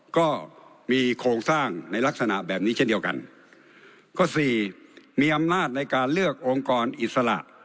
ก็มีโครงสร้างในลักษณะแบบนี้เช่นเดียวกันข้อสี่มีอำนาจในการเลือกองค์กรอิสระ